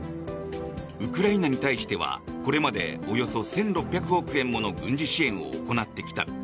ウクライナに対してはこれまでおよそ１６００億円もの軍事支援を行ってきた。